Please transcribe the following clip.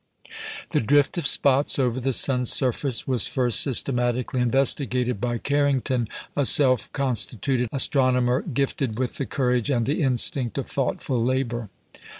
The drift of spots over the sun's surface was first systematically investigated by Carrington, a self constituted astronomer, gifted with the courage and the instinct of thoughtful labour.